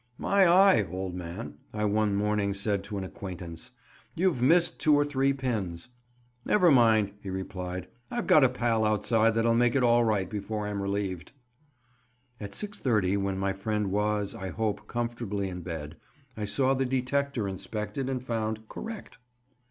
"My eye, old man," I one morning said to an acquaintance, "you've missed two or three pins." "Never mind," he replied; "I've got a pal outside that'll make it all right before I'm relieved." At 6.30, when my friend was, I hope, comfortably in bed, I saw the Detector inspected and found "correct."